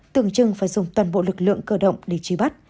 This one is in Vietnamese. tưởng chừng phải dùng toàn bộ lực lượng cơ động để trí bắt